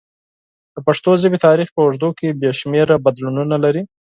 د پښتو ژبې تاریخ په اوږدو کې بې شمېره بدلونونه لري.